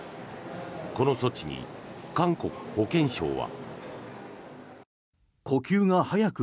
この措置に韓国保健省は。